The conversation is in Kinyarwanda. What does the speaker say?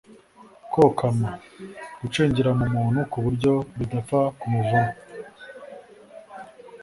kokama: gucengera mu muntu ku buryo bidapfa kumuvamo